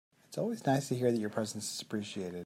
It is always nice to hear that your presence is appreciated.